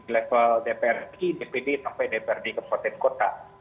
level dprd dpd sampai dprd kabupaten kota